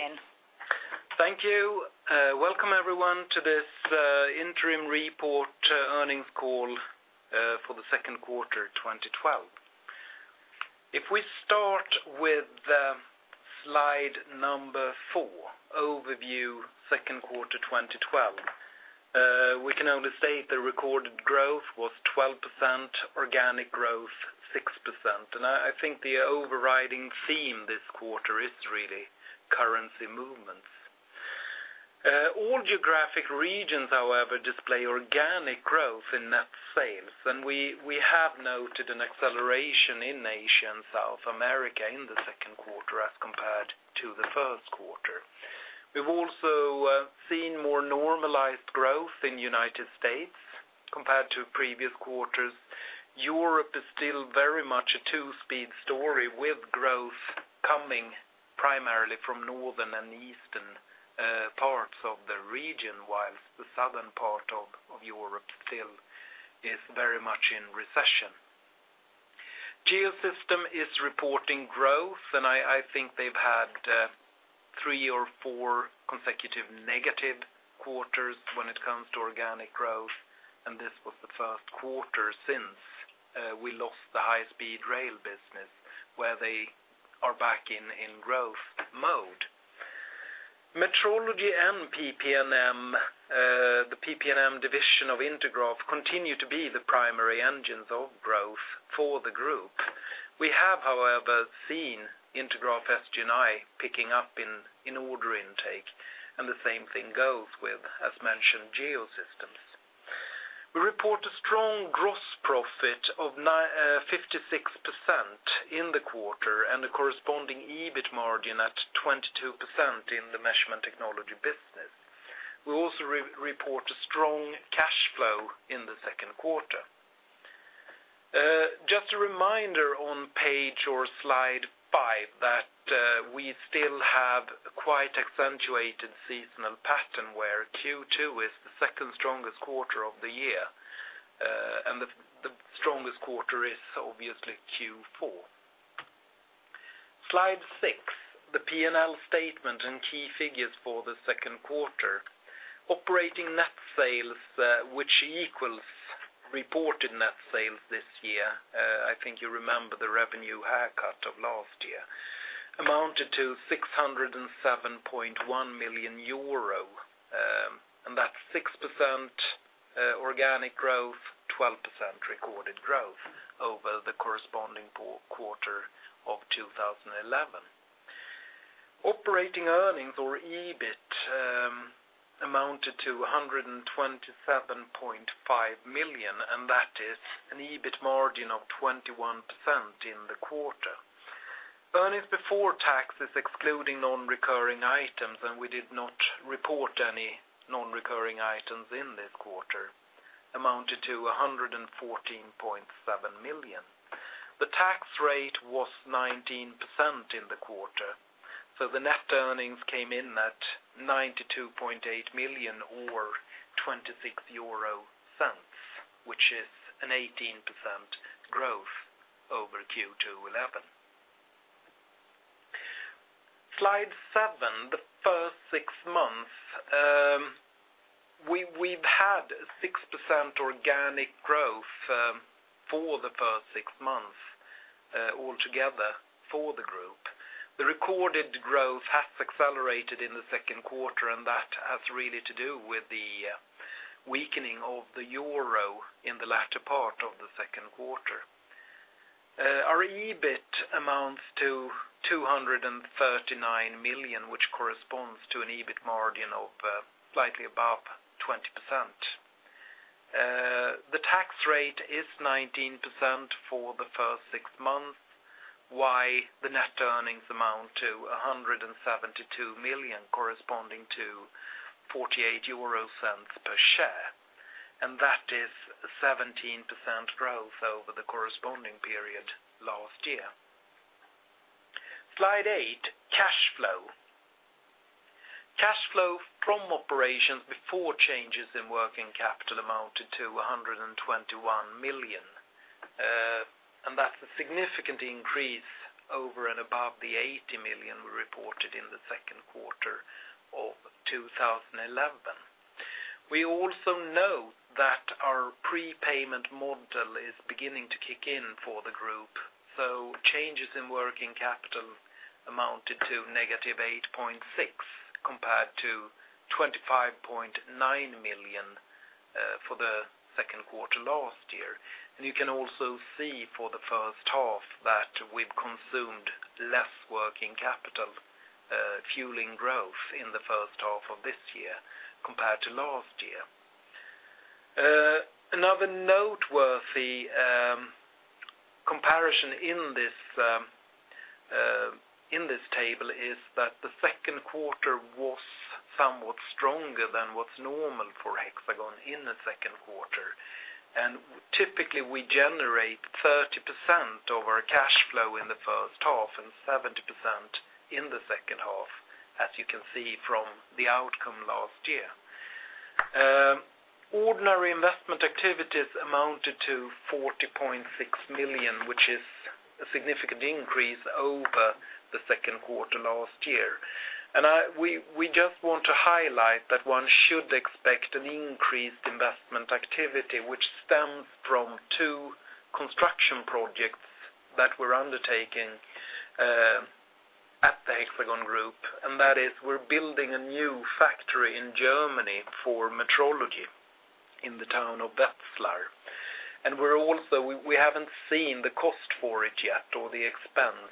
Please begin. Thank you. Welcome, everyone, to this interim report earnings call for the second quarter 2012. If we start with slide number four, overview second quarter 2012. We can only state the recorded growth was 12%, organic growth 6%, and I think the overriding theme this quarter is really currency movements. All geographic regions, however, display organic growth in net sales, and we have noted an acceleration in Asia and South America in the second quarter as compared to the first quarter. We've also seen more normalized growth in United States compared to previous quarters. Europe is still very much a two-speed story, with growth coming primarily from northern and eastern parts of the region, whilst the southern part of Europe still is very much in recession. Geosystems is reporting growth, and I think they've had three or four consecutive negative quarters when it comes to organic growth, and this was the first quarter since we lost the high-speed rail business, where they are back in growth mode. Metrology and PP&M, the PP&M division of Intergraph continue to be the primary engines of growth for the group. We have, however, seen Intergraph SG&I picking up in order intake, and the same thing goes with, as mentioned, Geosystems. We report a strong gross profit of 56% in the quarter, and a corresponding EBIT margin at 22% in the Measurement Technologies business. We also report a strong cash flow in the second quarter. Just a reminder on page or slide five that we still have quite accentuated seasonal pattern, where Q2 is the second strongest quarter of the year, and the strongest quarter is obviously Q4. Slide six, the P&L statement and key figures for the second quarter. Operating net sales, which equals reported net sales this year, I think you remember the revenue haircut of last year, amounted to 607.1 million euro, and that's 6% organic growth, 12% recorded growth over the corresponding quarter of 2011. Operating earnings or EBIT amounted to 127.5 million, and that is an EBIT margin of 21% in the quarter. Earnings before taxes, excluding non-recurring items, and we did not report any non-recurring items in this quarter, amounted to 114.7 million. The tax rate was 19% in the quarter, so the net earnings came in at 92.8 million or 0.26, which is an 18% growth over Q2 2011. Slide seven, the first six months. We've had 6% organic growth for the first six months altogether for the group. That has really to do with the weakening of the euro in the latter part of the second quarter. Our EBIT amounts to 239 million, which corresponds to an EBIT margin of slightly above 20%. The tax rate is 19% for the first six months, while the net earnings amount to 172 million, corresponding to 0.48 per share, that is 17% growth over the corresponding period last year. Slide eight, cash flow. Cash flow from operations before changes in working capital amounted to 121 million. That's a significant increase over and above the 80 million we reported in the second quarter of 2011. We also know that our prepayment model is beginning to kick in for the group, changes in working capital amounted to negative 8.6 million, compared to 25.9 million for the second quarter last year. You can also see for the first half that we've consumed less working capital, fueling growth in the first half of this year compared to last year. Another noteworthy comparison in this table is that the second quarter was somewhat stronger than what's normal for Hexagon in the second quarter. Typically, we generate 30% of our cash flow in the first half and 70% in the second half, as you can see from the outcome last year. Ordinary investment activities amounted to 40.6 million, which is a significant increase over the second quarter last year. We just want to highlight that one should expect an increased investment activity, which stems from two construction projects that we're undertaking at the Hexagon Group, that is we're building a new factory in Germany for metrology in the town of Wetzlar. We haven't seen the cost for it yet, or the expense,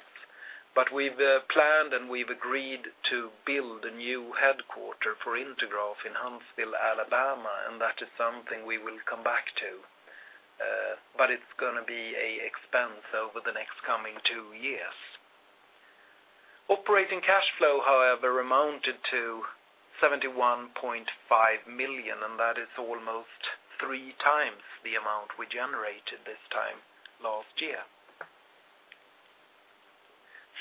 we've planned and we've agreed to build a new headquarter for Intergraph in Huntsville, Alabama, that is something we will come back to. It's going to be an expense over the next coming two years. Operating cash flow, however, amounted to 71.5 million, that is almost three times the amount we generated this time last year.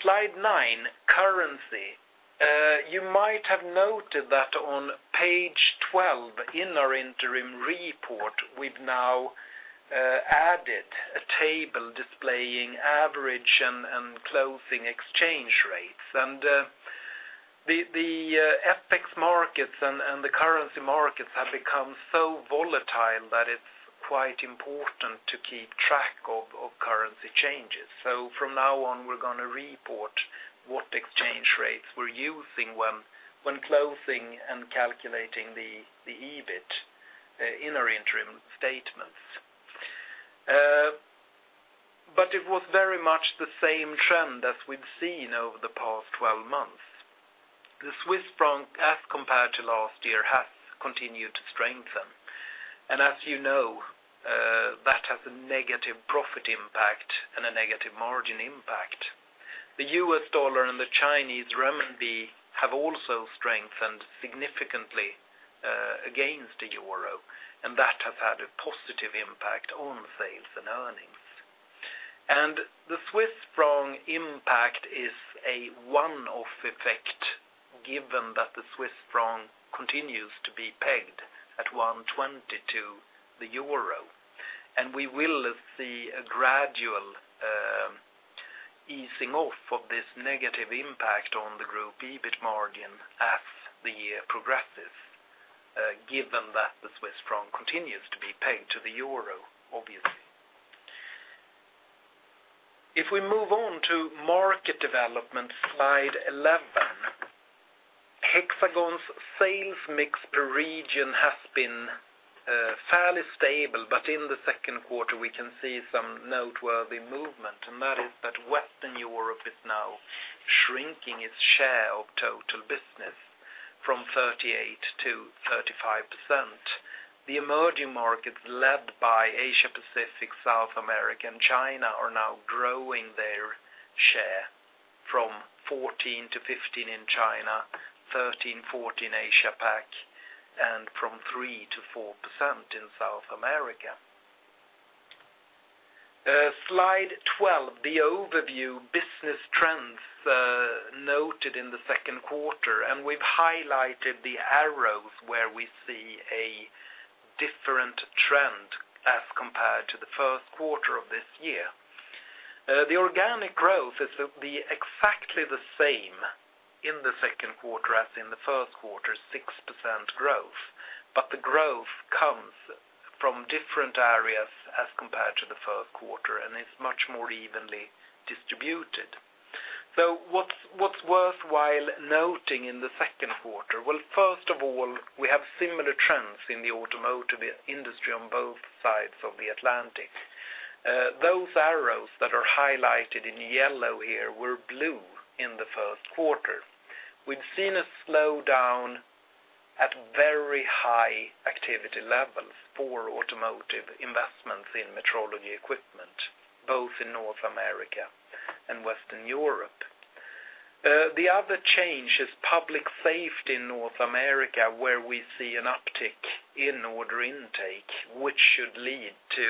Slide nine, currency. You might have noted that on page 12 in our interim report, we've now added a table displaying average and closing exchange rates. The FX markets and the currency markets have become so volatile that it's quite important to keep track of currency changes. From now on, we're going to report what exchange rates we're using when closing and calculating the EBIT in our interim statements. It was very much the same trend as we've seen over the past 12 months. The Swiss Franc, as compared to last year, has continued to strengthen. As you know, that has a negative profit impact and a negative margin impact. The US dollar and the Chinese renminbi have also strengthened significantly against the euro, that has had a positive impact on sales and earnings. The Swiss Franc impact is a one-off effect given that the Swiss Franc continues to be pegged at 1.20 to the euro. We will see a gradual easing off of this negative impact on the group EBIT margin as the year progresses, given that the Swiss franc continues to be pegged to the euro, obviously. If we move on to market development, slide 11. Hexagon's sales mix per region has been fairly stable, but in the second quarter we can see some noteworthy movement, and that is that Western Europe is now shrinking its share of total business from 38% to 35%. The emerging markets led by Asia Pacific, South America, and China are now growing their share from 14% to 15% in China, 13% to 14% in Asia Pac, and from 3% to 4% in South America. Slide 12, the overview business trends noted in the second quarter, and we've highlighted the arrows where we see a different trend as compared to the first quarter of this year. The organic growth is exactly the same in the second quarter as in the first quarter, 6% growth. The growth comes from different areas as compared to the first quarter, and is much more evenly distributed. What's worthwhile noting in the second quarter? Well, first of all, we have similar trends in the automotive industry on both sides of the Atlantic. Those arrows that are highlighted in yellow here were blue in the first quarter. We've seen a slowdown at very high activity levels for automotive investments in metrology equipment, both in North America and Western Europe. The other change is public safety in North America, where we see an uptick in order intake, which should lead to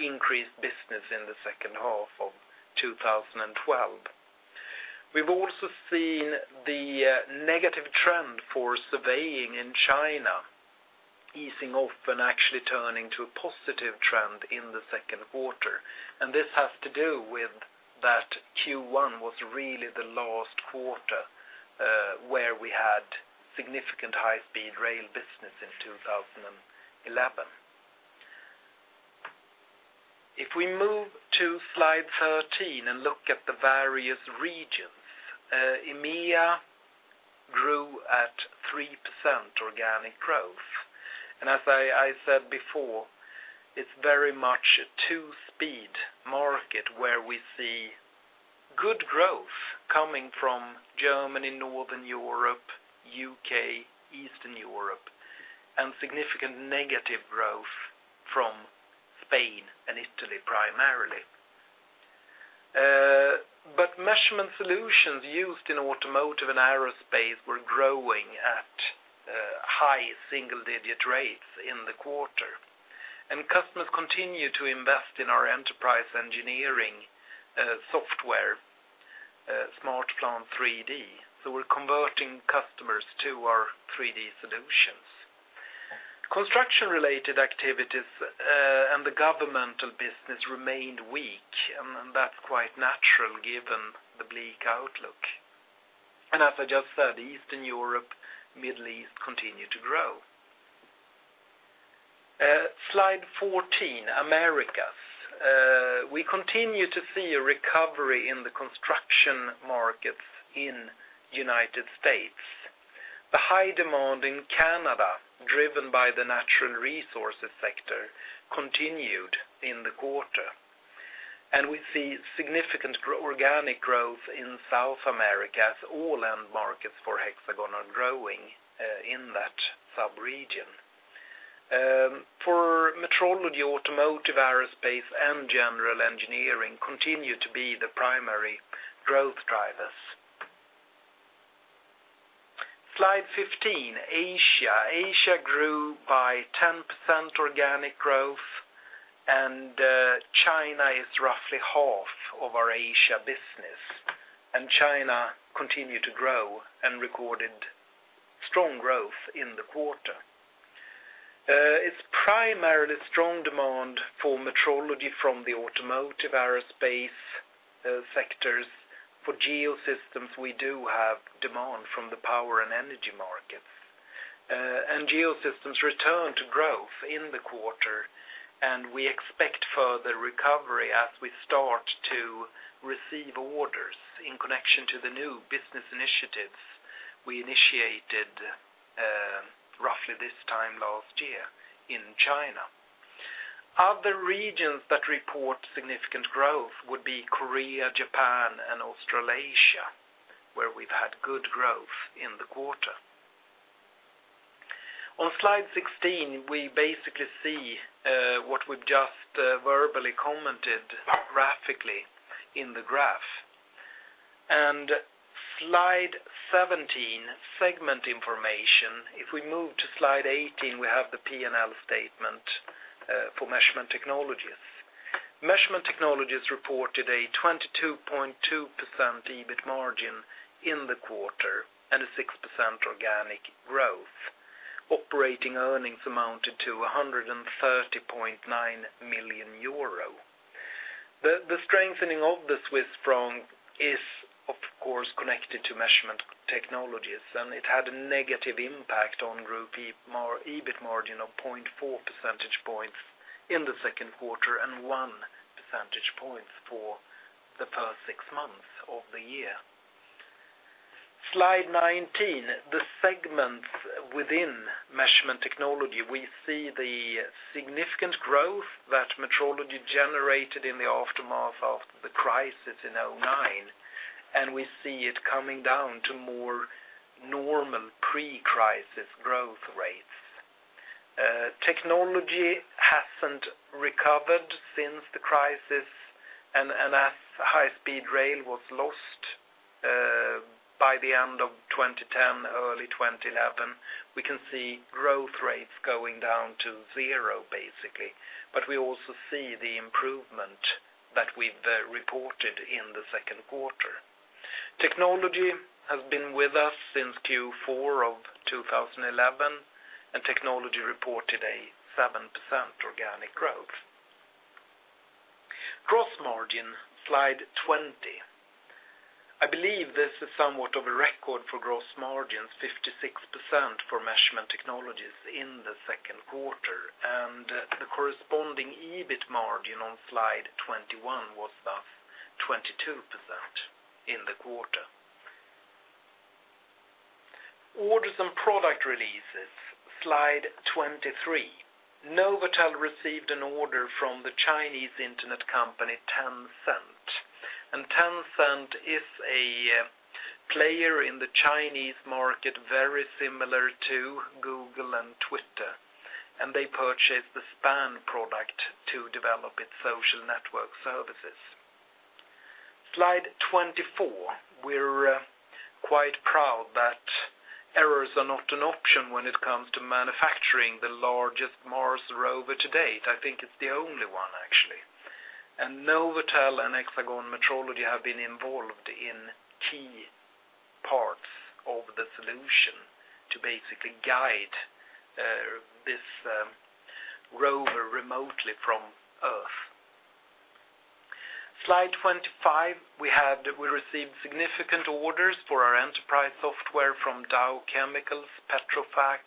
increased business in the second half of 2012. We've also seen the negative trend for surveying in China easing off and actually turning to a positive trend in the second quarter. This has to do with that Q1 was really the last quarter where we had significant high-speed rail business in 2011. If we move to slide 13 and look at the various regions, EMEA grew at 3% organic growth. And as I said before, it's very much a two-speed market where we see good growth coming from Germany, Northern Europe, U.K., Eastern Europe, and significant negative growth from Spain and Italy primarily. But measurement solutions used in automotive and aerospace were growing at high single-digit rates in the quarter, and customers continue to invest in our enterprise engineering software, SmartPlant 3D. So we're converting customers to our 3D solutions. Construction-related activities and the governmental business remained weak, and that's quite natural given the bleak outlook. As I just said, Eastern Europe, Middle East continue to grow. Slide 14, Americas. We continue to see a recovery in the construction markets in United States. The high demand in Canada, driven by the natural resources sector, continued in the quarter. And we see significant organic growth in South America as all end markets for Hexagon are growing in that sub-region. For metrology, automotive, aerospace, and general engineering continue to be the primary growth drivers. Slide 15, Asia. Asia grew by 10% organic growth, and China is roughly half of our Asia business. And China continued to grow and recorded strong growth in the quarter. It's primarily strong demand for metrology from the automotive, aerospace sectors. For Geosystems, we do have demand from the power and energy markets. Geosystems returned to growth in the quarter. We expect further recovery as we start to receive orders in connection to the new business initiatives we initiated roughly this time last year in China. Other regions that report significant growth would be Korea, Japan, and Australasia, where we've had good growth in the quarter. On slide 16, we basically see what we've just verbally commented graphically in the graph. Slide 17, segment information. We move to slide 18, we have the P&L statement for Measurement Technologies. Measurement Technologies reported a 22.2% EBIT margin in the quarter and a 6% organic growth. Operating earnings amounted to 130.9 million euro. The strengthening of the Swiss franc is, of course, connected to Measurement Technologies. It had a negative impact on group EBIT margin of 0.4 percentage points in the second quarter and one percentage point for the first six months of the year. Slide 19, the segments within Measurement Technologies. We see the significant growth that Metrology generated in the aftermath of the crisis in 2009. We see it coming down to more normal pre-crisis growth rates. Technology hasn't recovered since the crisis. As high-speed rail was lost by the end of 2010, early 2011, we can see growth rates going down to zero, basically. We also see the improvement that we've reported in the second quarter. Technology has been with us since Q4 of 2011. Technology reported a 7% organic growth. Gross margin, slide 20. I believe this is somewhat of a record for gross margins, 56% for Measurement Technologies in the second quarter. The corresponding EBIT margin on slide 21 was thus 22% in the quarter. Orders and product releases, slide 23. NovAtel received an order from the Chinese internet company Tencent. Tencent is a player in the Chinese market, very similar to Google and Twitter. They purchased the SPAN product to develop its social network services. Slide 24. We're quite proud that errors are not an option when it comes to manufacturing the largest Mars rover to date. I think it's the only one, actually. NovAtel and Hexagon Metrology have been involved in key parts of the solution to basically guide this rover remotely from Earth. Slide 25. We received significant orders for our enterprise software from Dow Chemical, Petrofac,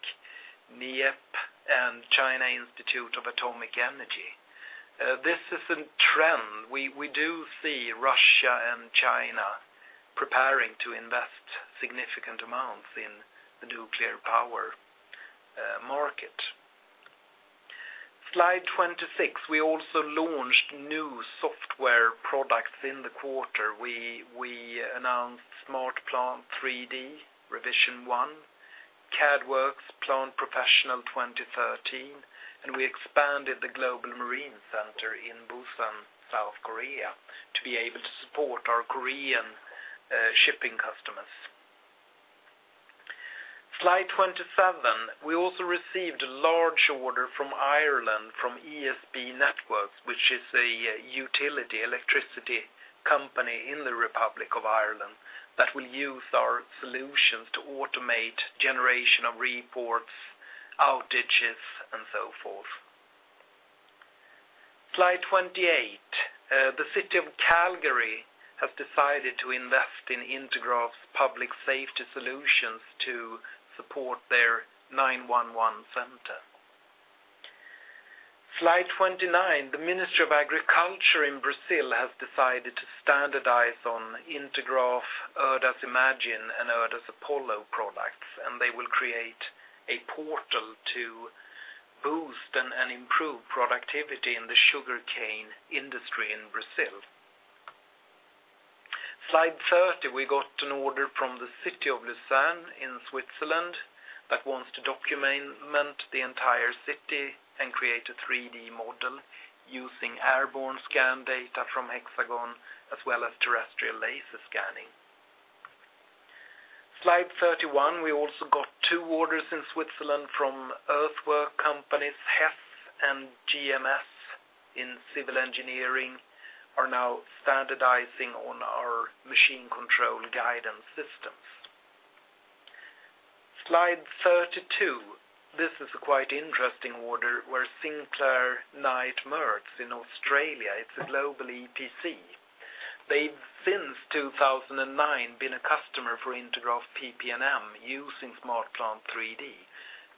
NEIEP, and China Institute of Atomic Energy. This is a trend. We do see Russia and China preparing to invest significant amounts in the nuclear power market. Slide 26. We also launched new software products in the quarter. We announced SmartPlant 3D Revision 1, CADWorx Plant Professional 2013. We expanded the Global Marine Center in Busan, South Korea to be able to support our Korean shipping customers. Slide 27. We also received a large order from Ireland from ESB Networks, which is a utility electricity company in the Republic of Ireland that will use our solutions to automate generation of reports, outages, and so forth. Slide 28. The City of Calgary has decided to invest in Intergraph's public safety solutions to support their 911 center. Slide 29. The Ministry of Agriculture in Brazil has decided to standardize on Intergraph, ERDAS IMAGINE, and ERDAS APOLLO products. They will create a portal to boost and improve productivity in the sugarcane industry in Brazil. Slide 30, we got an order from the city of Lausanne in Switzerland that wants to document the entire city and create a 3D model using airborne scan data from Hexagon, as well as terrestrial laser scanning. Slide 31, we also got two orders in Switzerland from earthwork companies, Hess and GMS, in civil engineering, are now standardizing on our machine control guidance systems. Slide 32. This is a quite interesting order where Sinclair Knight Merz in Australia, it's a global EPC. They've since 2009, been a customer for Intergraph PP&M using SmartPlant 3D.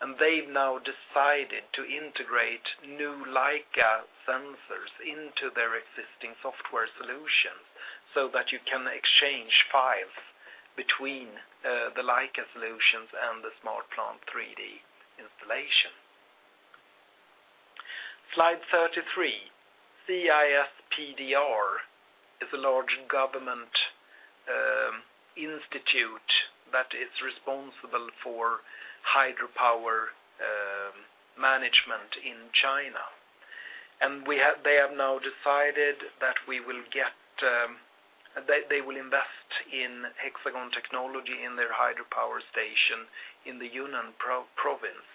They've now decided to integrate new Leica sensors into their existing software solutions so that you can exchange files between the Leica solutions and the SmartPlant 3D installation. Slide 33. CISPDR is a large government institute that is responsible for hydropower management in China. They have now decided that they will invest in Hexagon technology in their hydropower station in the Yunnan province.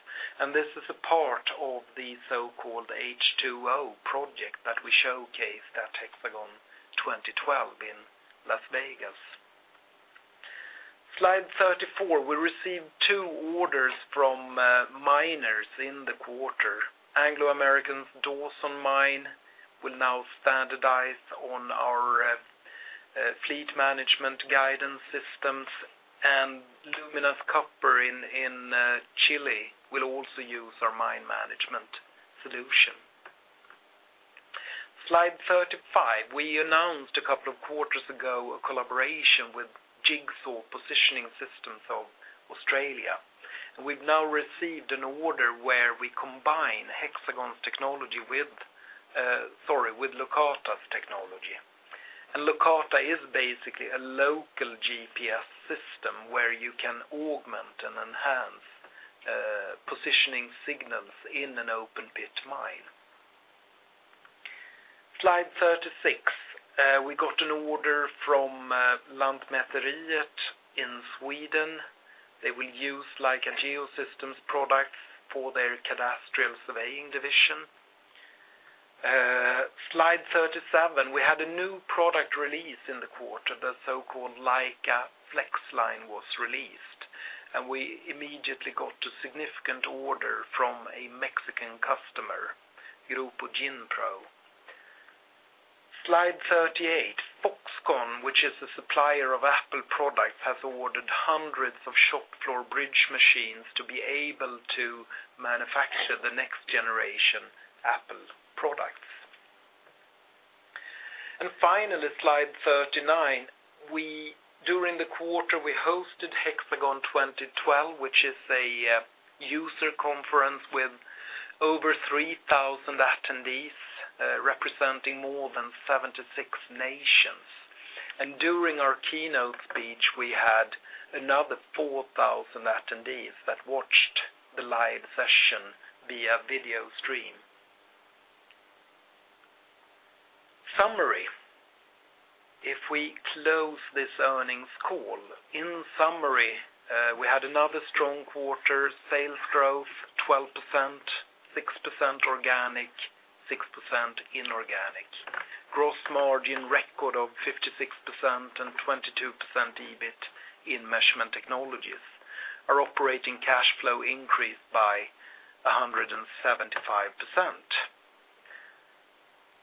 This is a part of the so-called H2O project that we showcased at Hexagon 2012 in Las Vegas. Slide 34. We received two orders from miners in the quarter. Anglo American's Dawson Mine will now standardize on our fleet management guidance systems. Lumina Copper in Chile will also use our mine management solution. Slide 35. We announced a couple of quarters ago, a collaboration with Jigsaw Technologies of Australia. We've now received an order where we combine Hexagon's technology with Locata's technology. Locata is basically a local GPS system where you can augment and enhance positioning signals in an open pit mine. Slide 36. We got an order from Lantmäteriet in Sweden. They will use Leica Geosystems products for their cadastral surveying division. Slide 37. We had a new product release in the quarter, the so-called Leica FlexLine was released, and we immediately got a significant order from a Mexican customer, Grupo Ginpro. Slide 38. Foxconn, which is a supplier of Apple products, has ordered hundreds of shop floor bridge machines to be able to manufacture the next generation Apple products. Finally, slide 39. During the quarter, we hosted Hexagon 2012, which is a user conference with over 3,000 attendees, representing more than 76 nations. During our keynote speech, we had another 4,000 attendees that watched the live session via video stream. Summary. If we close this earnings call. We had another strong quarter sales growth, 12%, 6% organic, 6% inorganic. Gross margin record of 56% and 22% EBIT in Measurement Technologies. Our operating cash flow increased by 175%.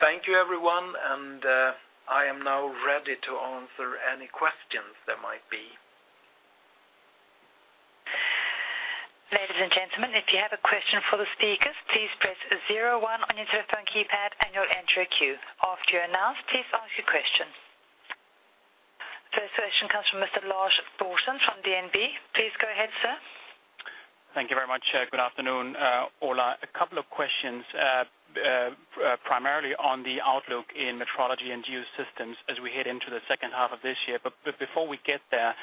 Thank you everyone, and I am now ready to answer any questions there might be. Ladies and gentlemen, if you have a question for the speakers, please press 01 on your telephone keypad and you'll enter a queue. After you're announced, please ask your question. First question comes from Mr. Lars Brorson from DNB. Please go ahead, sir. Thank you very much. Good afternoon, Ola. A couple of questions primarily on the outlook in Metrology and Geosystems as we head into the second half of this year. Before we get there,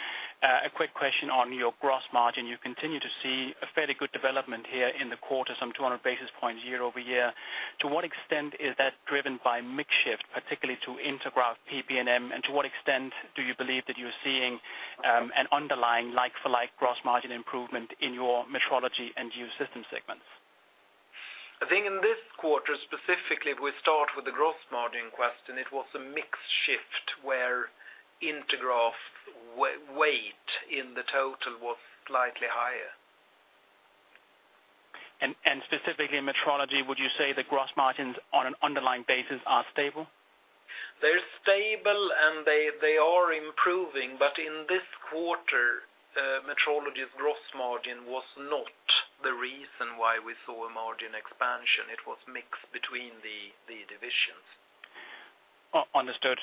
a quick question on your gross margin. You continue to see fairly good development here in the quarter, some 200 basis points year-over-year. To what extent is that driven by mix shift, particularly to Intergraph PP&M, and to what extent do you believe that you're seeing an underlying like-for-like gross margin improvement in your Metrology and Geosystems segments? I think in this quarter specifically, we start with the gross margin question. It was a mix shift where Intergraph weight in the total was slightly higher. Specifically in Metrology, would you say the gross margins on an underlying basis are stable? They're stable and they are improving. In this quarter, metrology's gross margin was not the reason why we saw a margin expansion. It was mixed between the divisions. Understood.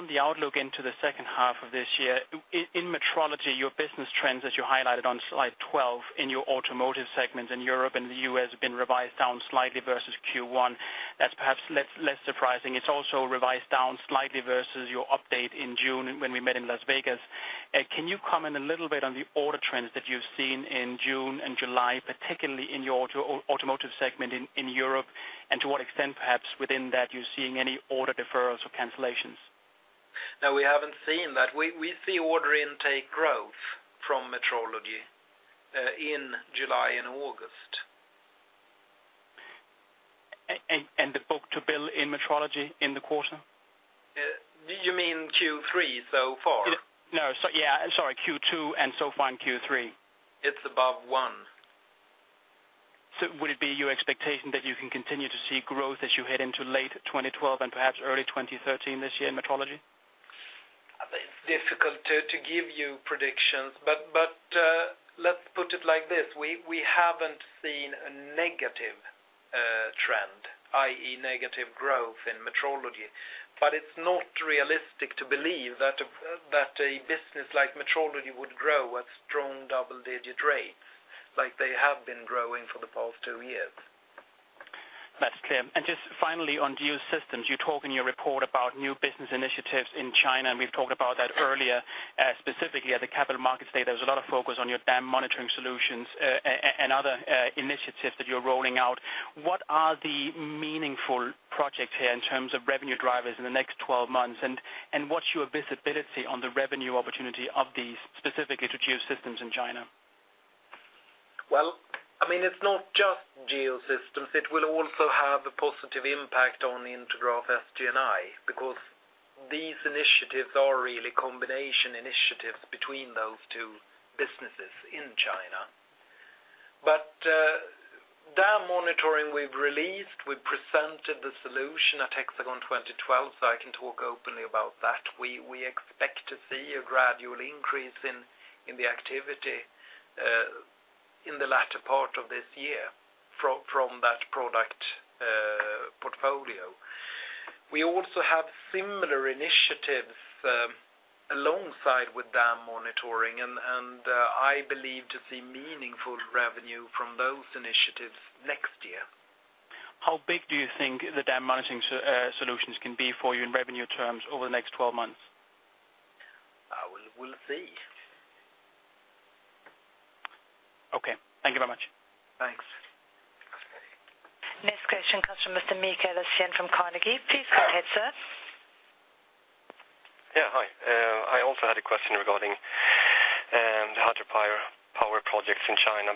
On the outlook into the second half of this year, in metrology, your business trends as you highlighted on slide 12 in your automotive segments in Europe and the U.S. have been revised down slightly versus Q1. That's perhaps less surprising. It's also revised down slightly versus your update in June when we met in Las Vegas. Can you comment a little bit on the order trends that you've seen in June and July, particularly in your automotive segment in Europe, and to what extent perhaps within that, you're seeing any order deferrals or cancellations? No, we haven't seen that. We see order intake growth from metrology in July and August. The book to bill in metrology in the quarter? You mean Q3 so far? No. Sorry. Q2 and so far in Q3. It's above one. Would it be your expectation that you can continue to see growth as you head into late 2012 and perhaps early 2013 this year in Metrology? It's difficult to give you predictions, but let's put it like this. We haven't seen a negative trend, i.e., negative growth in metrology. It's not realistic to believe that a business like metrology would grow at strong double-digit rates like they have been growing for the past two years. That's clear. Just finally on Geosystems, you talk in your report about new business initiatives in China, and we've talked about that earlier. Specifically at the capital markets day, there was a lot of focus on your dam monitoring solutions, and other initiatives that you're rolling out. What are the meaningful projects here in terms of revenue drivers in the next 12 months? What's your visibility on the revenue opportunity of these, specifically to Geosystems in China? Well, it's not just Geosystems. It will also have a positive impact on Intergraph SG&I because these initiatives are really combination initiatives between those two businesses in China. Dam monitoring we've released, we presented the solution at Hexagon 2012, so I can talk openly about that. We expect to see a gradual increase in the activity, in the latter part of this year from that product portfolio. We also have similar initiatives alongside with dam monitoring, and I believe to see meaningful revenue from those initiatives next year. How big do you think the dam monitoring solutions can be for you in revenue terms over the next 12 months? We'll see. Okay. Thank you very much. Thanks. Next question comes from Mr. Mikael Ejlertsson from Carnegie. Please go ahead, sir. Yeah. Hi. I also had a question regarding the hydropower projects in China.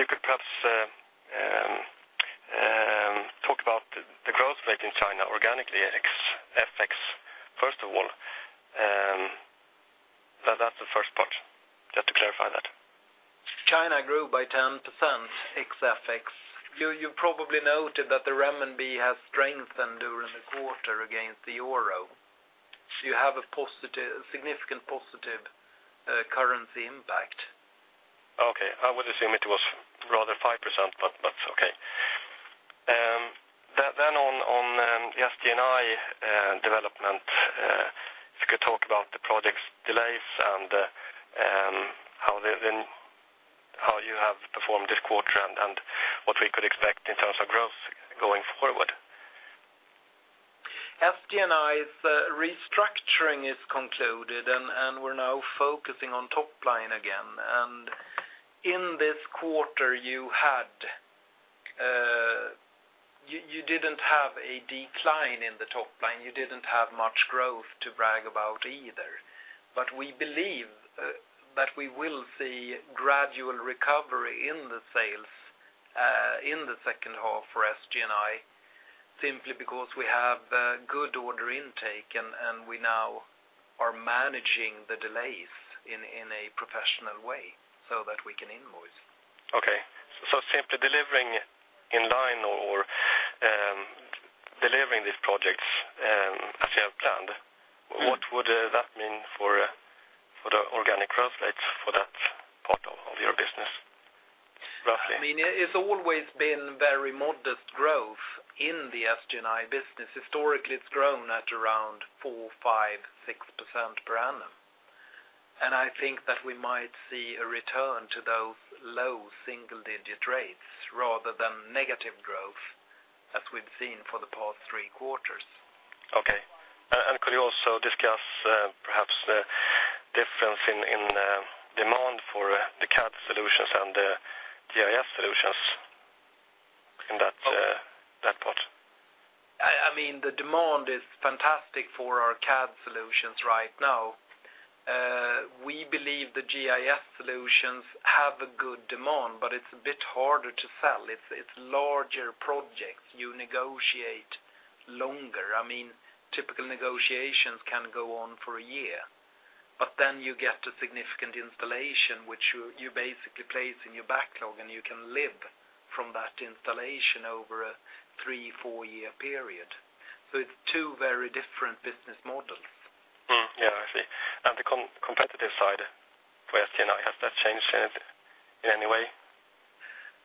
You could perhaps talk about the growth rate in China organically ex FX, first of all. That's the first part, just to clarify that. China grew by 10% ex FX. You probably noted that the renminbi has strengthened during the quarter against the euro. You have a significant positive currency impact. Okay. I would assume it was rather 5%, but okay. On the SG&I development, if you could talk about the project's delays and how you have performed this quarter, and what we could expect in terms of growth going forward. SG&I's restructuring is concluded, and we're now focusing on top line again. In this quarter, you didn't have a decline in the top line. You didn't have much growth to brag about either. We believe that we will see gradual recovery in the sales, in the second half for SG&I simply because we have good order intake, and we now are managing the delays in a professional way so that we can invoice. Okay. Simply delivering in line or delivering these projects as you have planned. What would that mean for the organic growth rates for that part of your business, roughly? It's always been very modest growth in the SG&I business. Historically, it's grown at around 4%, 5%, 6% per annum. I think that we might see a return to those low single-digit rates rather than negative growth as we've seen for the past three quarters. Okay. Could you also discuss perhaps the difference in demand for the CAD solutions and the GIS solutions in that part? The demand is fantastic for our CAD solutions right now. We believe the GIS solutions have a good demand, but it's a bit harder to sell. It's larger projects. You negotiate longer. Typical negotiations can go on for a year, but then you get a significant installation, which you basically place in your backlog, and you can live from that installation over a three, four-year period. It's two very different business models. I see. The competitive side for SG&I, has that changed in any way?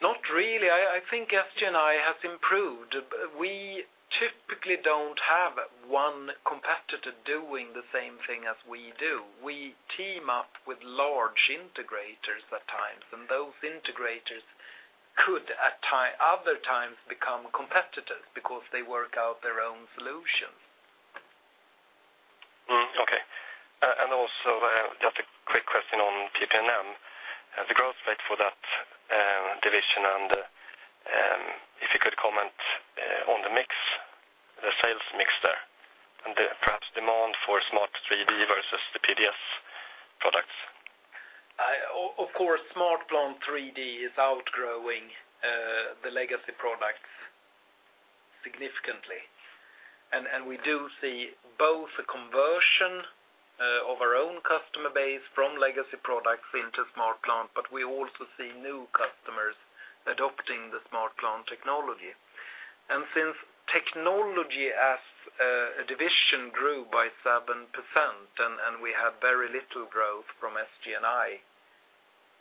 Not really. I think SG&I has improved. We typically don't have one competitor doing the same thing as we do. We team up with large integrators at times, and those integrators could, at other times, become competitors because they work out their own solutions. Okay. Also, just a quick question on PP&M. The growth rate for that division, and if you could comment on the sales mix there and perhaps demand for Smart 3D versus the PDS products. Of course, SmartPlant 3D is outgrowing the legacy products significantly. We do see both a conversion of our own customer base from legacy products into SmartPlant, but we also see new customers adopting the SmartPlant technology. Since technology as a division grew by 7% and we had very little growth from SG&I,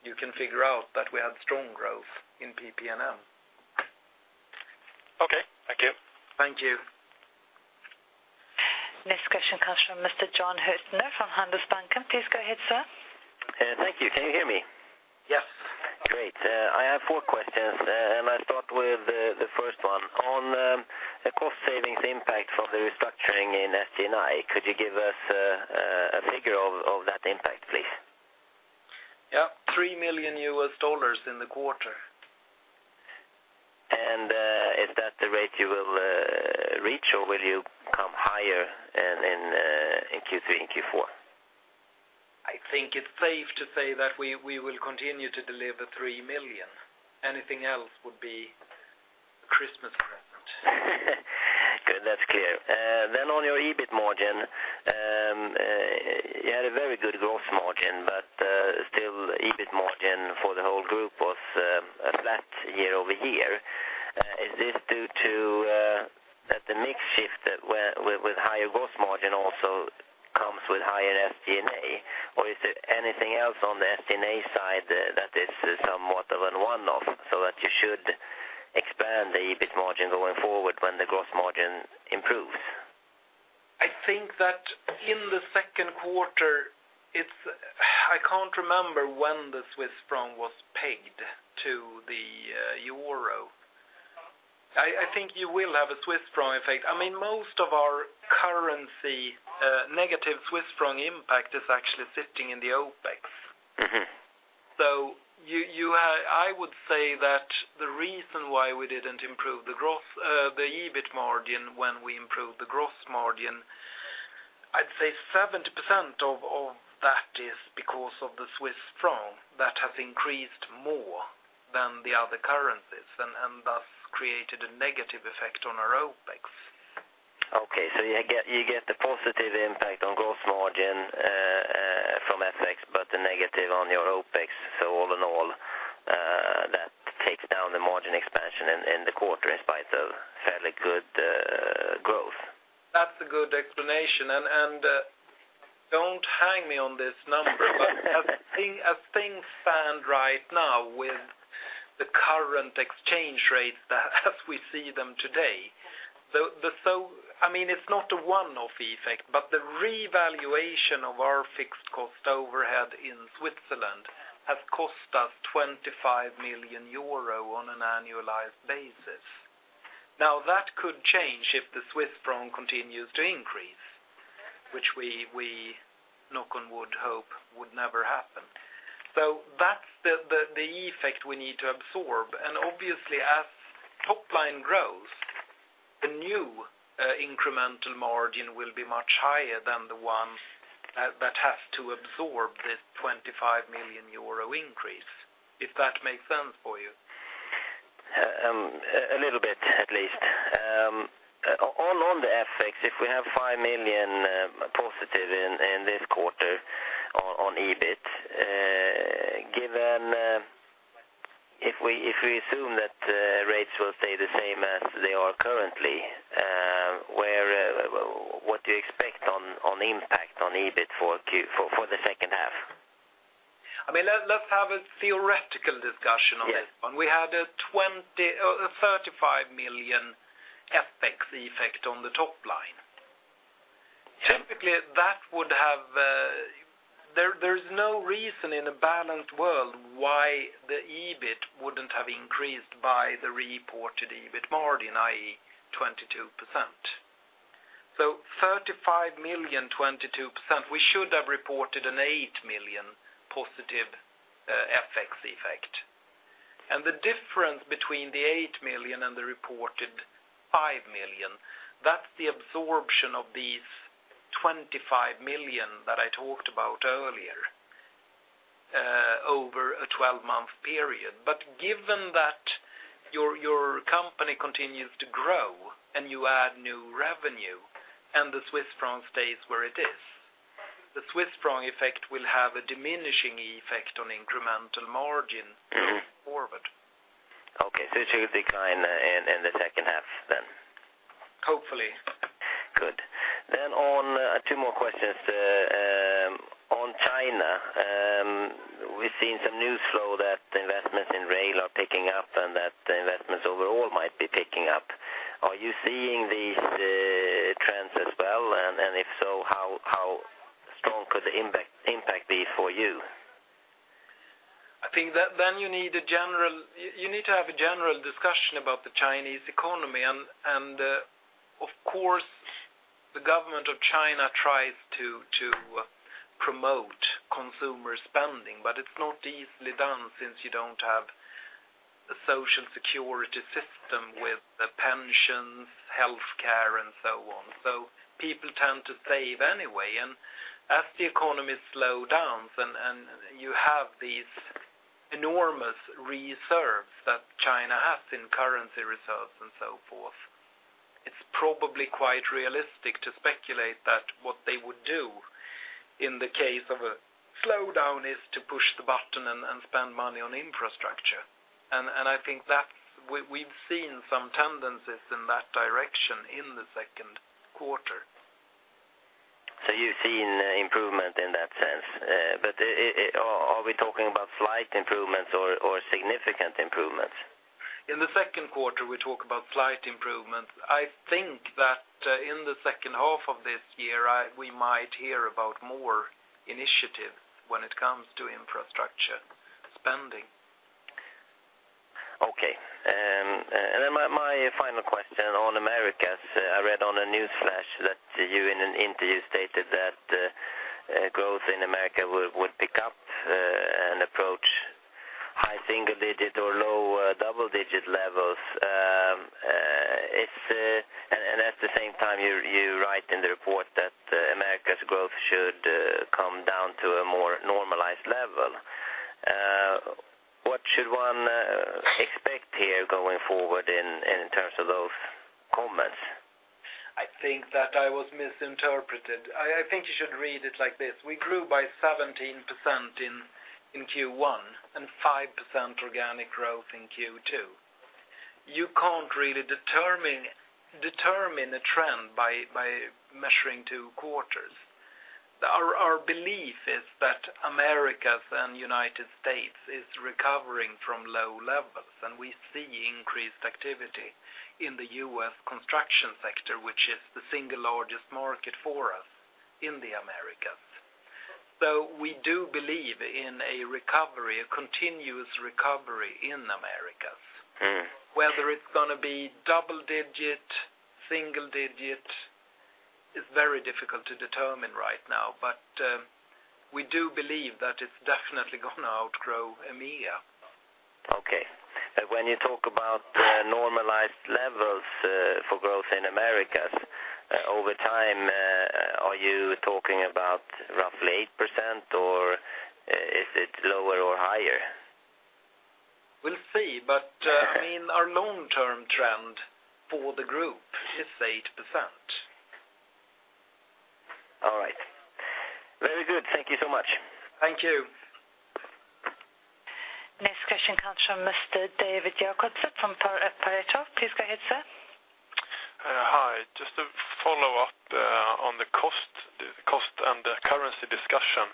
you can figure out that we had strong growth in PP&M. Okay, thank you. Thank you. Next question comes from Mr. Jon Hyltner from Handelsbanken. Please go ahead, sir. Thank you. Can you hear me? Yes. Great. I have four questions. I start with the first one. On the cost savings impact from the restructuring in SG&I, could you give us a figure of that impact, please? Yeah, $3 million US in the quarter. Is that the rate you will reach, or will you come higher in Q3 and Q4? I think it's safe to say that we will continue to deliver $3 million. Anything else would be a Christmas present. Good. That's clear. On your EBIT margin, you had a very good gross margin, but still EBIT margin for the whole group was flat year-over-year. Is this due to that the mix shift with higher gross margin also comes with higher SG&A? Or is there anything else on the SG&A side that is somewhat of a one-off, so that you should expand the EBIT margin going forward when the gross margin improves? I think that in the second quarter, I can't remember when the Swiss franc was pegged to the euro. I think you will have a Swiss franc effect. Most of our currency negative Swiss franc impact is actually sitting in the OPEX. I would say that the reason why we didn't improve the EBIT margin when we improved the gross margin, I'd say 70% of that is because of the Swiss franc that has increased more than the other currencies and thus created a negative effect on our OPEX. Okay. You get the positive impact on gross margin from FX, but the negative on your OPEX. All in all, that takes down the margin expansion in the quarter in spite of fairly good growth. That's a good explanation. Don't hang me on this number, but as things stand right now with the current exchange rates as we see them today, it's not a one-off effect, but the revaluation of our fixed cost overhead in Switzerland has cost us 25 million euro on an annualized basis. That could change if the Swiss franc continues to increase, which we, knock on wood, hope would never happen. That's the effect we need to absorb, and obviously, as top line grows, the new incremental margin will be much higher than the one that has to absorb this 25 million euro increase, if that makes sense for you. A little bit, at least. On the FX, if we have 5 million positive in this quarter on EBIT, if we assume that rates will stay the same as they are currently, what do you expect on impact on EBIT for the second half? Let's have a theoretical discussion on this one. Yes. We had a 35 million FX effect on the top line. Typically, there's no reason in a balanced world why the EBIT wouldn't have increased by the reported EBIT margin, i.e., 22%. 35 million, 22%, we should have reported an 8 million positive FX effect. The difference between the 8 million and the reported 5 million, that's the absorption of these 25 million that I talked about earlier over a 12-month period. Given that your company continues to grow and you add new revenue, and the Swiss franc stays where it is, the Swiss franc effect will have a diminishing effect on incremental margin forward. Okay, it should decline in the second half? Hopefully. Good. Two more questions. On China, we have seen some news flow that investments in rail are picking up and that the investments overall might be picking up. Are you seeing these trends as well? If so, how strong could the impact be for you? I think that you need to have a general discussion about the Chinese economy. Of course, the government of China tries to promote consumer spending, but it is not easily done since you do not have a social security system with pensions, healthcare, and so on. People tend to save anyway, as the economy slows down, you have these enormous reserves that China has in currency reserves and so forth, it is probably quite realistic to speculate that what they would do in the case of a slowdown is to push the button and spend money on infrastructure. I think we have seen some tendencies in that direction in the second quarter. You are seeing improvement in that sense. Are we talking about slight improvements or significant improvements? In the second quarter, we talk about slight improvements. I think that in the second half of this year, we might hear about more initiatives when it comes to infrastructure spending. Okay. Then my final question on Americas. I read on a newsflash that you in an interview stated that growth in Americas would pick up, and approach high single-digit or low double-digit levels. At the same time, you write in the report that Americas' growth should come down to a more normalized level. What should one expect here going forward in terms of those comments? I think that I was misinterpreted. I think you should read it like this. We grew by 17% in Q1 and 5% organic growth in Q2. You can't really determine a trend by measuring two quarters. Our belief is that Americas and U.S. is recovering from low levels, and we see increased activity in the U.S. construction sector, which is the single largest market for us in the Americas. We do believe in a recovery, a continuous recovery in Americas. Whether it's going to be double-digit, single-digit, is very difficult to determine right now. We do believe that it's definitely going to outgrow EMEA. Okay. When you talk about normalized levels for growth in Americas over time, are you talking about roughly 8% or is it lower or higher? We'll see, but our long-term trend for the group is 8%. All right. Very good. Thank you so much. Thank you. Next question comes from Mr. David Jacobsson from Pareto. Please go ahead, sir. Hi. Just to follow up on the cost and currency discussion.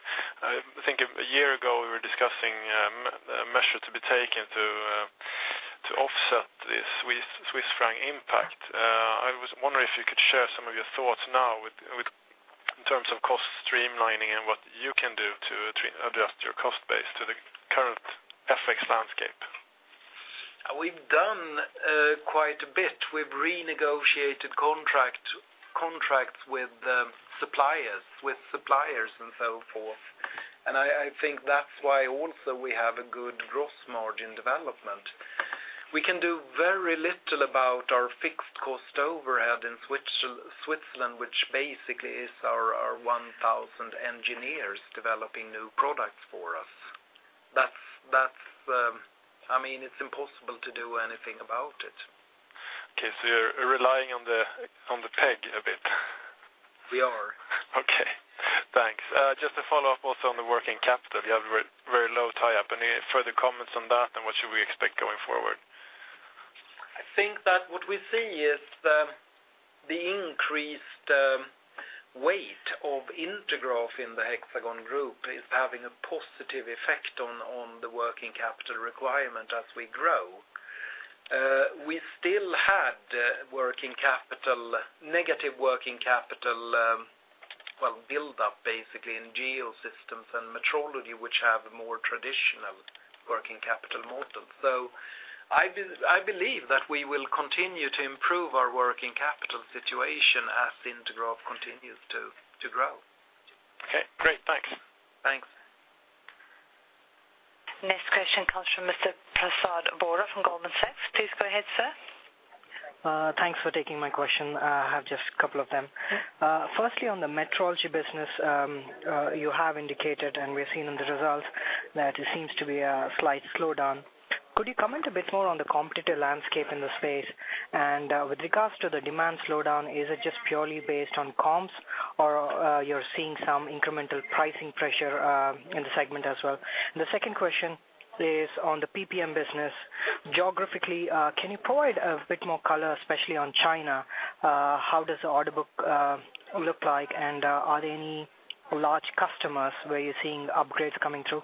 I think a year ago, we were discussing measures to be taken to offset the Swiss franc impact. I was wondering if you could share some of your thoughts now in terms of cost streamlining and what you can do to adjust your cost base to the current FX landscape. We've done quite a bit. We've renegotiated contracts with suppliers and so forth. I think that's why also we have a good gross margin development. We can do very little about our fixed cost overhead in Switzerland, which basically is our 1,000 engineers developing new products for us. It's impossible to do anything about it. Okay, you're relying on the peg a bit? We are. Okay, thanks. Just to follow up also on the working capital, you have very low tie up. Any further comments on that? What should we expect going forward? I think that what we see is the increased weight of Intergraph in the Hexagon Group is having a positive effect on the working capital requirement as we grow. We still had negative working capital buildup basically in Geosystems and Metrology, which have more traditional working capital models. I believe that we will continue to improve our working capital situation as Intergraph continues to grow. Okay, great. Thanks. Thanks. Next question comes from Mr. Prasad Borra from Goldman Sachs. Please go ahead, sir. Thanks for taking my question. I have just a couple of them. Yeah. Firstly, on the metrology business, you have indicated, and we've seen in the results that it seems to be a slight slowdown. Could you comment a bit more on the competitive landscape in this phase? With regards to the demand slowdown, is it just purely based on comps or you're seeing some incremental pricing pressure in the segment as well? The second question is on the PPM business. Geographically, can you provide a bit more color, especially on China? How does the order book look like, and are there any large customers where you're seeing upgrades coming through?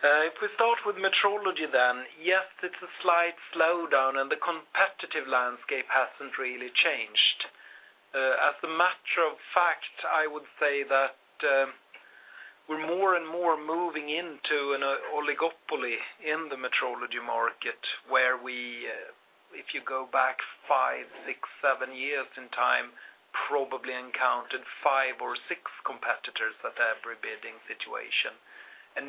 If we start with metrology then, yes, it's a slight slowdown, and the competitive landscape hasn't really changed. As a matter of fact, I would say that we're more and more moving into an oligopoly in the metrology market, where we, if you go back five, six, seven years in time, probably encountered five or six competitors at every bidding situation.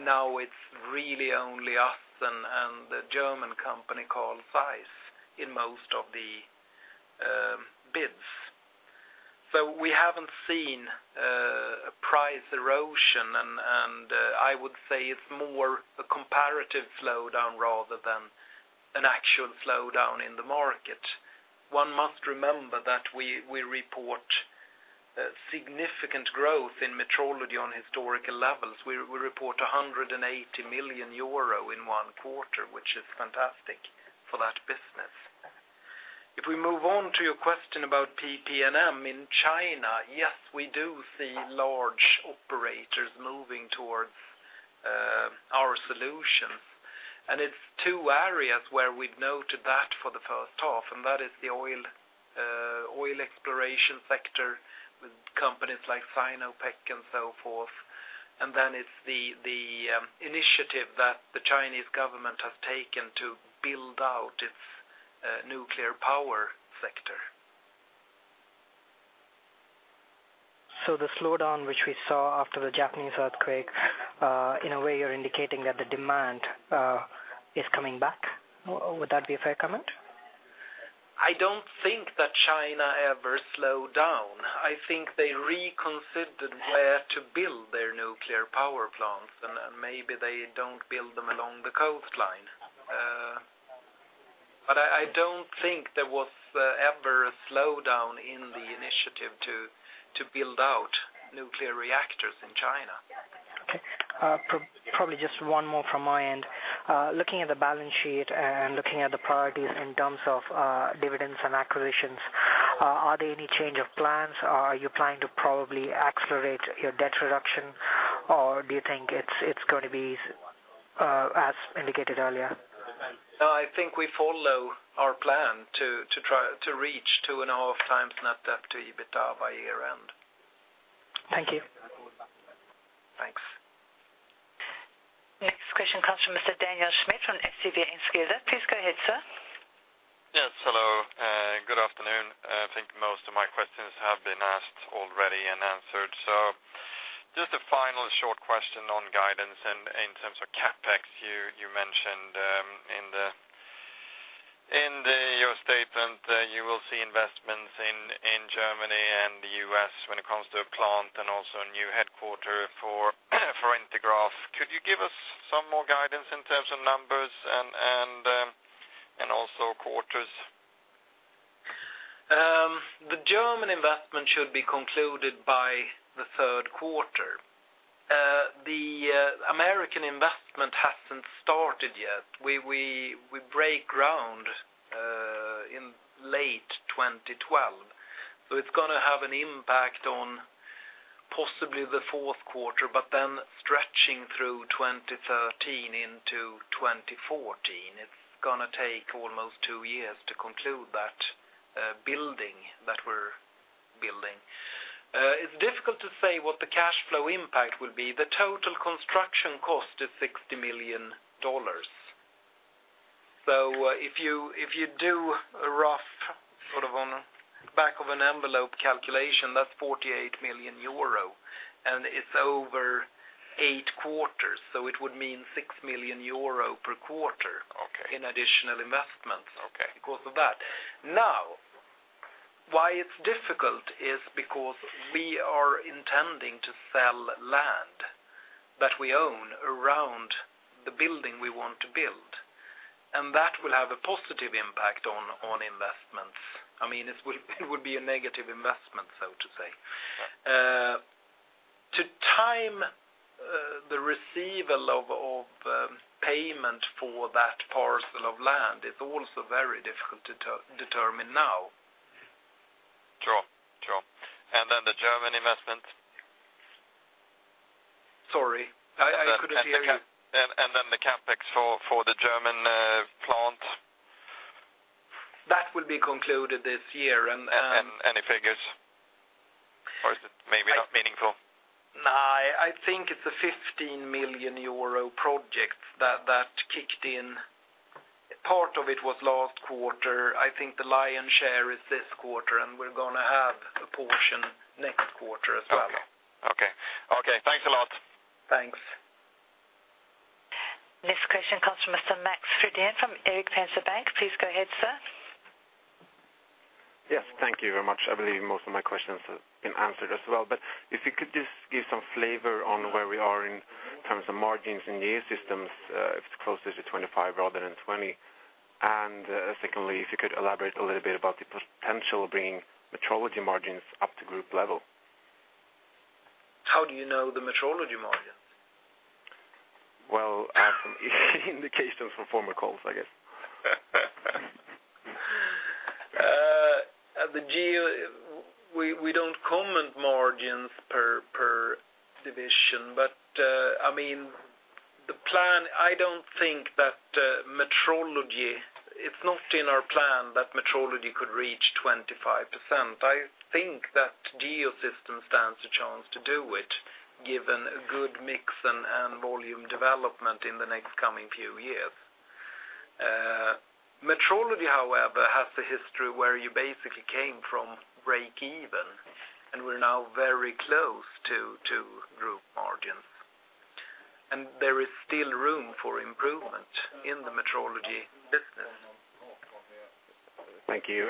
Now it's really only us and the German company called ZEISS in most of the bids. We haven't seen a price erosion, and I would say it's more a comparative slowdown rather than an actual slowdown in the market. One must remember that we report significant growth in metrology on historical levels. We report 180 million euro in one quarter, which is fantastic for that business. If we move on to your question about PP&M in China, yes, we do see large operators moving towards our solutions. It's 2 areas where we've noted that for the first half. That is the oil exploration sector with companies like Sinopec and so forth. It's the initiative that the Chinese government has taken to build out its nuclear power sector. The slowdown, which we saw after the Japanese earthquake, in a way you're indicating that the demand is coming back. Would that be a fair comment? I don't think that China ever slowed down. I think they reconsidered where to build their nuclear power plants, maybe they don't build them along the coastline. I don't think there was ever a slowdown in the initiative to build out nuclear reactors in China. Okay. Probably just 1 more from my end. Looking at the balance sheet and looking at the priorities in terms of dividends and acquisitions, are there any change of plans? Are you planning to probably accelerate your debt reduction, or do you think it's going to be as indicated earlier? No, I think we follow our plan to reach two and a half times net debt to EBITDA by year-end. Thank you. Thanks. Next question comes from Mr. Daniel Schmidt from SEB Enskilda. Please go ahead, sir. Yes, hello. Good afternoon. I think most of my questions have been asked already and answered. Just a final short question on guidance and in terms of CapEx, you mentioned in your statement, you will see investments in Germany and the U.S. when it comes to a plant and also a new headquarter for Intergraph. Could you give us some more guidance in terms of numbers and also quarters? The German investment should be concluded by the third quarter. The American investment hasn't started yet. We break ground in late 2012. It's going to have an impact on possibly the fourth quarter, but then stretching through 2013 into 2014. It's going to take almost two years to conclude that building that we're building. It's difficult to say what the cash flow impact will be. The total construction cost is $60 million. If you do a rough sort of on back of an envelope calculation, that's €48 million, and it's over eight quarters, so it would mean €6 million per quarter. Okay in additional investments. Okay because of that. Why it's difficult is because we are intending to sell land that we own around the building we want to build, and that will have a positive impact on investments. It would be a negative investment, so to say. To time the receival of payment for that parcel of land is also very difficult to determine now. The German investment? Sorry, I couldn't hear you. The CapEx for the German plant. That will be concluded this year. Any figures or is it maybe not meaningful? No, I think it's a 15 million euro project that kicked in, part of it was last quarter. I think the lion's share is this quarter, and we're going to have a portion next quarter as well. Okay. Thanks a lot. Thanks. Next question comes from Mr. Max Frydén from Erik Penser Bankaktiebolag. Please go ahead, sir. Yes, thank you very much. I believe most of my questions have been answered as well. If you could just give some flavor on where we are in terms of margins in Geosystems, if it's closer to 25% rather than 20%. Secondly, if you could elaborate a little bit about the potential of bringing Metrology margins up to group level. How do you know the Metrology margin? Well, indications from former calls, I guess. We don't comment margins per division, but I don't think that it's not in our plan that Metrology could reach 25%. I think that Geosystems stands a chance to do it, given a good mix and volume development in the next coming few years. Metrology, however, has a history where you basically came from breakeven, and we're now very close to group margins. There is still room for improvement in the Metrology business. Thank you,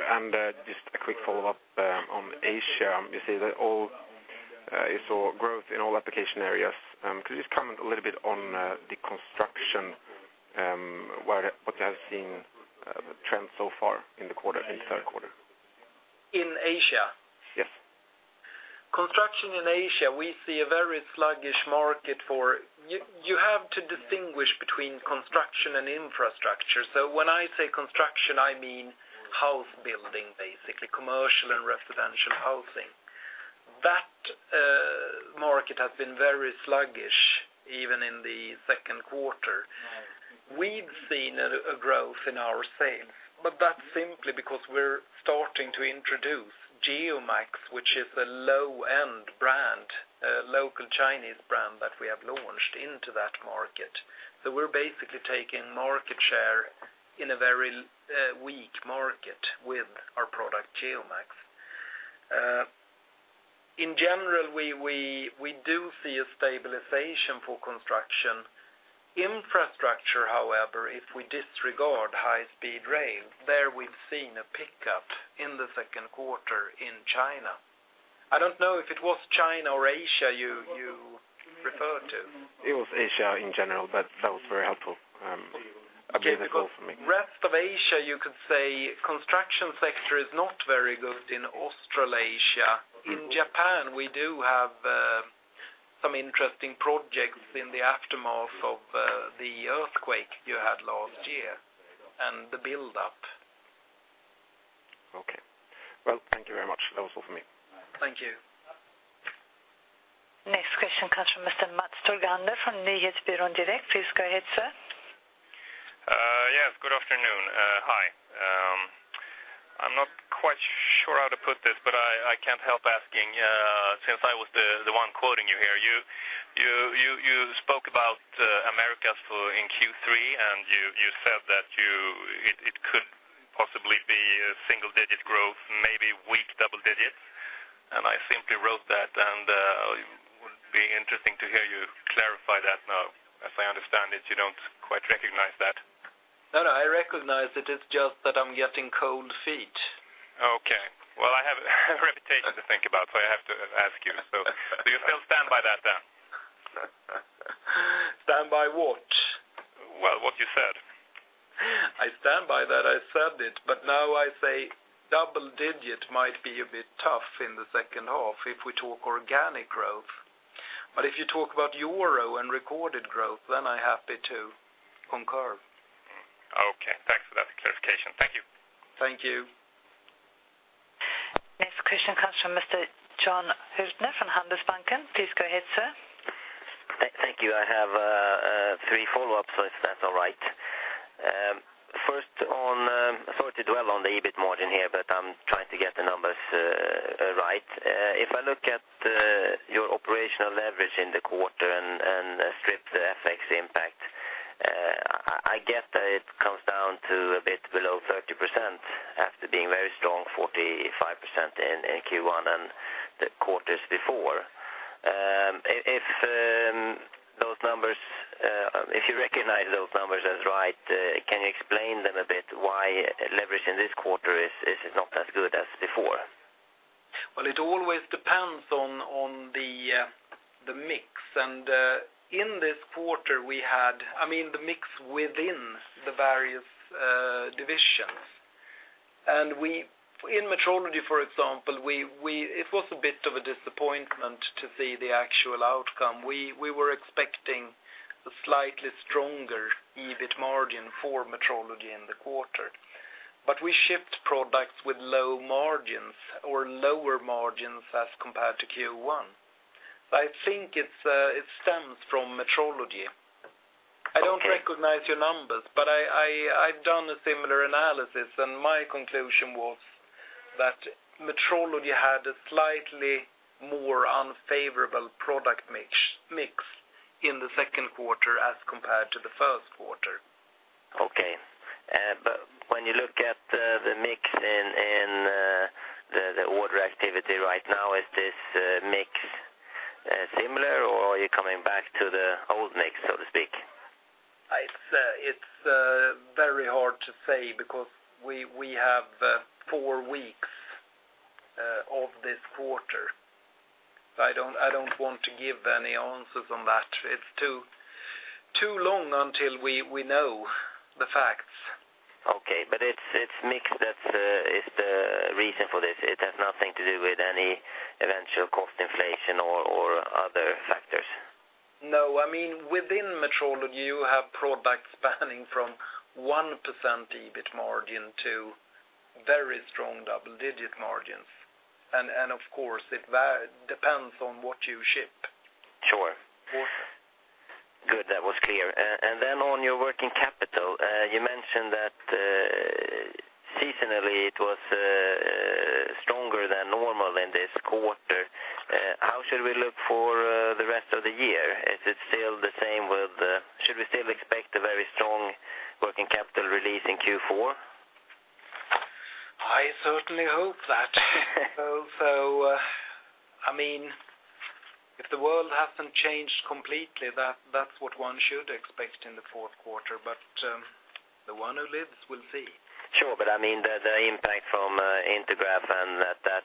just a quick follow-up on Asia. You say that you saw growth in all application areas. Could you just comment a little bit on the construction, what you have seen trends so far in the third quarter? In Asia? Yes. Construction in Asia, we see a very sluggish market for. You have to distinguish between construction and infrastructure. When I say construction, I mean house building, basically commercial and residential housing. That market has been very sluggish, even in the second quarter. We've seen a growth in our sales, but that's simply because we're starting to introduce GeoMax, which is a low-end brand, a local Chinese brand that we have launched into that market. We're basically taking market share in a very weak market with our product GeoMax. In general, we do see a stabilization for construction. Infrastructure, however, if we disregard high-speed rail, there we've seen a pickup in the second quarter in China. I don't know if it was China or Asia you referred to. It was Asia in general, that was very helpful. That was all for me. Rest of Asia, you could say construction sector is not very good in Australasia. In Japan, we do have some interesting projects in the aftermath of the earthquake you had last year and the build-up. Okay. Well, thank you very much. That was all for me. Thank you. Next question comes from Mr. Mats Torgander from Nyhetsbyrån Direkt. Please go ahead, sir. Yes, good afternoon. Hi. I'm not quite sure how to put this, but I can't help asking, since I was the one quoting you here. You spoke about Americas in Q3, and you said that it could possibly be a single-digit growth, maybe weak double digits. I simply wrote that, and it would be interesting to hear you clarify that now. As I understand it, you don't quite recognize that. I recognize it. It's just that I'm getting cold feet. I have a reputation to think about, so I have to ask you. Do you still stand by that then? Stand by what? What you said. I stand by that. I said it, now I say double digit might be a bit tough in the second half if we talk organic growth. If you talk about euro and recorded growth, then I'm happy to concur. Okay. Thanks for that clarification. Thank you. Thank you. Next question comes from Mr. Johan Eliason from Handelsbanken. Please go ahead, sir. Thank you. I have three follow-ups, if that's all right. First, sorry to dwell on the EBIT margin here. I'm trying to get the numbers right. If I look at your operational leverage in the quarter and strip the FX impact, I get that it comes down to a bit below 30% after being very strong 45% in Q1 and the quarters before. If you recognize those numbers as right, can you explain them a bit why leverage in this quarter is not as good as before? Well, it always depends on the mix within the various divisions. In Metrology, for example, it was a bit of a disappointment to see the actual outcome. We were expecting a slightly stronger EBIT margin for Metrology in the quarter. We shipped products with low margins or lower margins as compared to Q1. I think it stems from Metrology. Okay. I don't recognize your numbers. I've done a similar analysis, and my conclusion was that Metrology had a slightly more unfavorable product mix in the second quarter as compared to the first quarter. Okay. When you look at the mix and the order activity right now, is this mix similar or are you coming back to the old mix, so to speak? It's very hard to say because we have four weeks of this quarter. I don't want to give any answers on that. It's too long until we know the facts. It's mix that is the reason for this. It has nothing to do with any eventual cost inflation or other factors? No. Within metrology, you have products spanning from 1% EBIT margin to very strong double-digit margins. Of course, it depends on what you ship. Sure. Quarter. Good. That was clear. On your working capital, you mentioned that seasonally it was stronger than normal in this quarter. How should we look for the rest of the year? Should we still expect a very strong working capital release in Q4? I certainly hope that. If the world hasn't changed completely, that's what one should expect in the fourth quarter, but the one who lives will see. The impact from Intergraph and that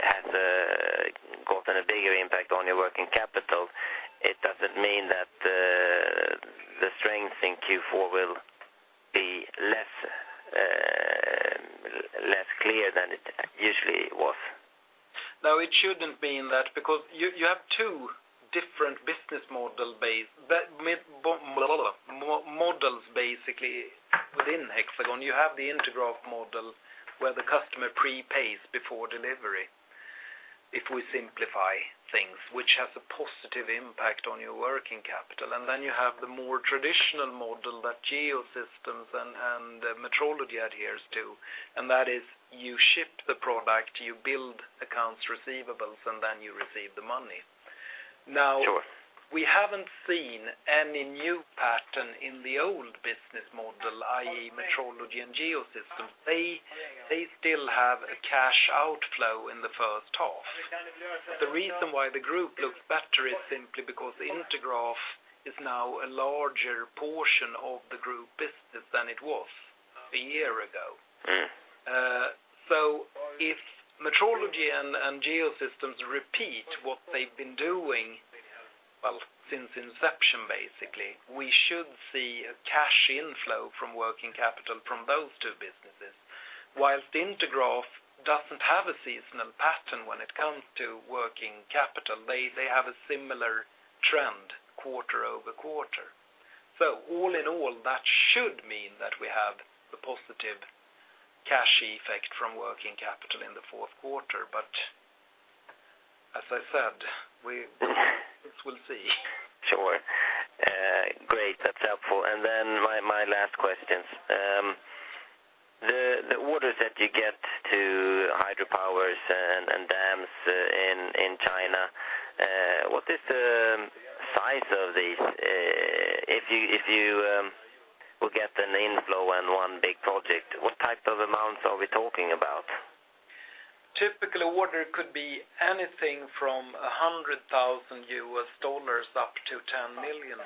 has gotten a bigger impact on your working capital. It doesn't mean that the strength in Q4 will be less clear than it usually was. No, it shouldn't mean that because you have two different business models basically within Hexagon. You have the Intergraph model where the customer prepays before delivery, if we simplify things, which has a positive impact on your working capital. Then you have the more traditional model that Geosystems and Metrology adheres to, and that is you ship the product, you build accounts receivables, and then you receive the money. Sure. Now, we haven't seen any new pattern in the old business model, i.e. Metrology and Geosystems. They still have a cash outflow in the first half. The reason why the group looks better is simply because Intergraph is now a larger portion of the group business than it was a year ago. If Metrology and Geosystems repeat what they've been doing, well, since inception basically, we should see a cash inflow from working capital from those two businesses. Whilst Intergraph doesn't have a seasonal pattern when it comes to working capital, they have a similar trend quarter-over-quarter. All in all, that should mean that we have a positive cash effect from working capital in the fourth quarter. As I said, we will see. Sure. Great. That's helpful. Then my last questions. The orders that you get to hydropower and dams in China, what is the size of these? If you will get an inflow in one big project, what type of amounts are we talking about? Typical order could be anything from EUR 100,000 up to EUR 10 million.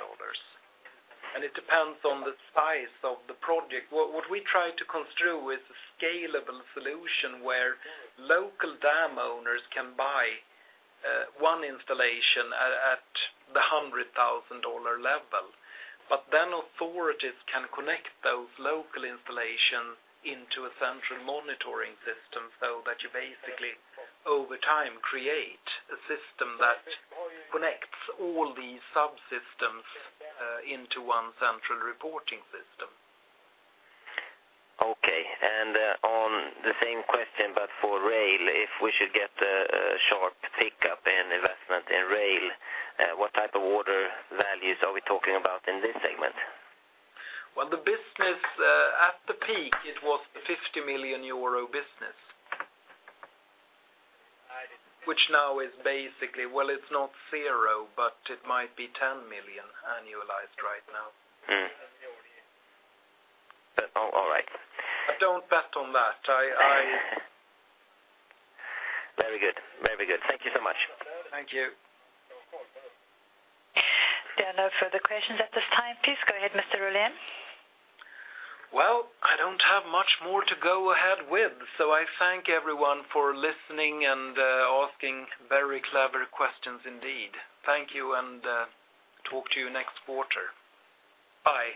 It depends on the size of the project. What we try to construct is a scalable solution where local dam owners can buy one installation at the EUR 100,000 level. Then authorities can connect those local installations into a central monitoring system so that you basically, over time, create a system that connects all these subsystems into one central reporting system. Okay. On the same question, but for rail, if we should get a sharp pickup in investment in rail, what type of order values are we talking about in this segment? Well, the business at the peak, it was a 50 million euro business, which now is Well, it's not zero, but it might be 10 million annualized right now. All right. Don't bet on that. Very good. Thank you so much. Thank you. There are no further questions at this time. Please go ahead, Mr. Rollén. Well, I don't have much more to go ahead with, so I thank everyone for listening and asking very clever questions indeed. Thank you and talk to you next quarter. Bye.